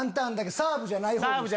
サーブじゃないほう。